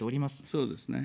そうですね。